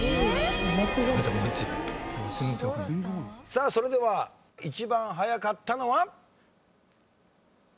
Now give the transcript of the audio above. さあそれでは一番早かったのは。